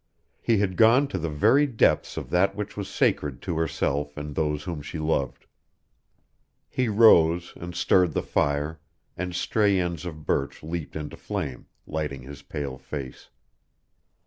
He had gone to the very depths of that which was sacred to herself and those whom she loved. He rose and stirred the fire, and stray ends of birch leaped into flame, lighting his pale face.